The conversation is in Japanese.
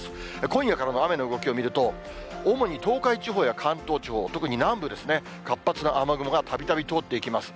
今夜からの雨の動きを見ると、主に東海地方や関東地方、特に南部ですね、活発な雨雲がたびたび通っていきます。